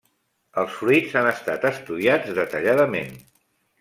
Els fruits han estat estudiats detalladament.